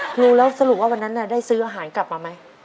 ครูแล้วสรุปว่าวันนั้นได้ซื้ออาหารกลับมาไหม